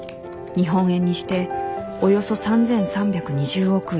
日本円にしておよそ３，３２０億円。